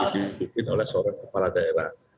didukung oleh seorang kepala daerah